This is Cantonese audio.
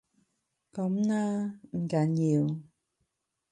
噉啦，唔緊要